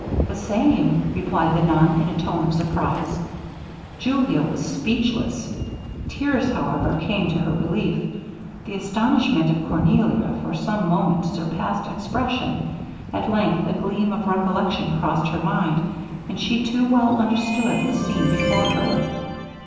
'The same,' replied the nun, in a tone of surprize. Julia was speechless; tears, however, came to her relief. The astonishment of Cornelia for some moment surpassed expression; at length a gleam of recollection crossed her mind, and she too well understood the scene before her.